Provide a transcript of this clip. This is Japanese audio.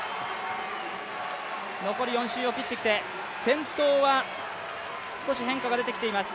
残り４周を切ってきて、先頭は少し変化が出てきています。